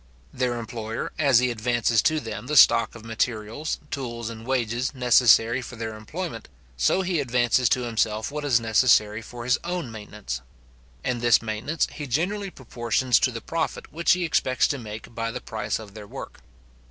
Their employer, as he advances to them the stock of materials, tools, and wages, necessary for their employment, so he advances to himself what is necessary for his own maintenance; and this maintenance he generally proportions to the profit which he expects to make by the price of their work.